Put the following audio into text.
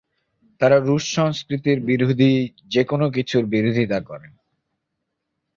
তারা রুশ সংস্কৃতির বিরোধী যে কোনো কিছুর বিরোধিতা করেন।